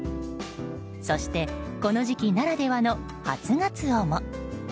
そして、この時期ならではの初ガツオも。